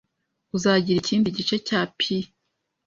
Uzagira ikindi gice cya pie?